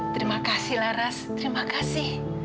terima kasih laras terima kasih